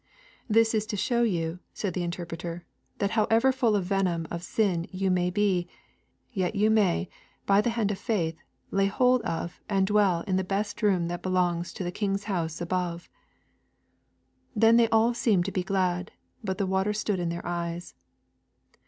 'This is to show you,' said the Interpreter, 'that however full of the venom of sin you may be, yet you may, by the hand of faith, lay hold of, and dwell in the best room that belongs to the King's House above.' Then they all seemed to be glad, but the water stood in their eyes.